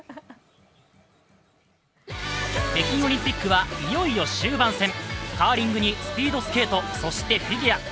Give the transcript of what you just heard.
北京オリンピックはいよいよ終盤戦、カーリングにスピードスケートそしてフィギュア。